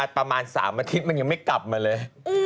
ประมาณ๓อาทิตย์มันยังไม่กลับมาเลย